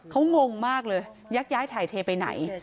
ตำรวจเขางงมากเลยยักยายถ่ายทรัยเทไปไหน